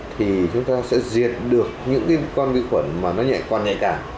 thì chúng ta sẽ diệt được những con vi khuẩn mà nó nhẹ còn nhẹ cả